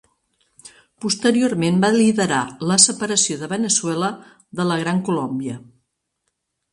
Posteriorment va liderar la separació de Veneçuela de la Gran Colòmbia.